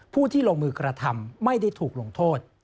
ผู้ที่ลงมือกระทำไม่ได้ถูกลงโทษ